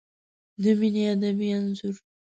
د مینې ادبي انځور